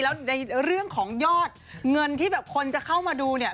แล้วในเรื่องของยอดเงินที่แบบคนจะเข้ามาดูเนี่ย